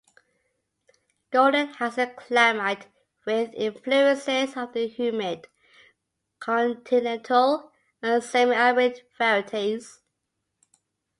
Golden has a climate with influences of the humid continental and semi-arid varieties.